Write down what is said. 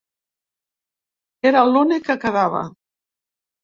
Era l’únic que quedava.